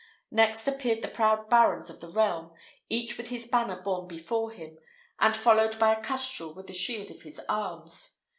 Next appeared the proud barons of the realm, each with his banner borne before him, and followed by a custrel with the shield of his arms.